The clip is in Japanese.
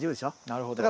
なるほど。